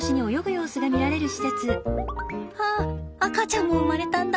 あっ赤ちゃんも生まれたんだ。